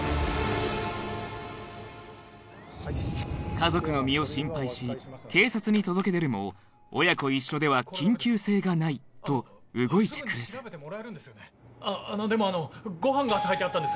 家族の身を心配し警察に届け出るも親子一緒では緊急性がないと動いてくれずでもあのご飯が炊いてあったんです。